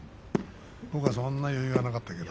僕はそんな余裕はなかったけど。